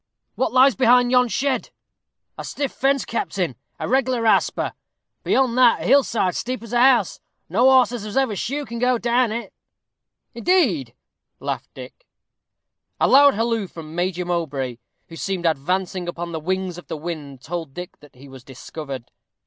"What lies behind yon shed?" "A stiff fence, captain a reg'lar rasper. Beyond that a hill side steep as a house, no oss as was ever shoed can go down it." "Indeed!" laughed Dick. A loud halloo from Major Mowbray, who seemed advancing upon the wings of the wind, told Dick that he was discovered.